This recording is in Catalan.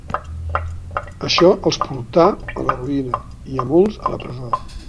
Això els portà a la ruïna i a molts a la presó.